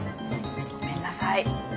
ごめんなさい。